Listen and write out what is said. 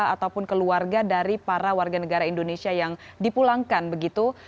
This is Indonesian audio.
ataupun keluarga dari para warga negara indonesia yang dipulangkan begitu